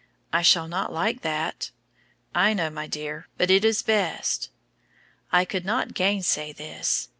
"I shall not like that." "I know, my dear, but it is best." I could not gainsay this.